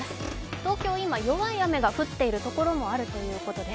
東京、今、弱い雨が降っている所もあるということです。